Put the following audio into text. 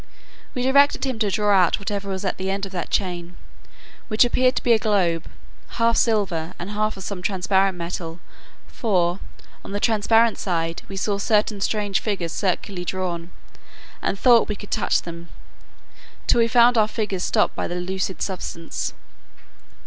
We directed him to draw out whatever was at the end of that chain; which appeared to be a globe, half silver, and half of some transparent metal; for, on the transparent side, we saw certain strange figures circularly drawn, and thought we could touch them, till we found our fingers stopped by the lucid substance.